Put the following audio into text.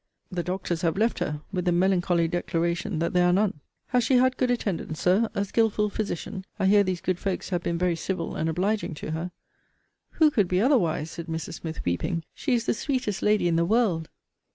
The doctors have left her, with the melancholy declaration that there are none. Has she had good attendance, Sir? A skilful physician? I hear these good folks have been very civil and obliging to her. Who could be otherwise? said Mrs. Smith, weeping. She is the sweetest lady in the world!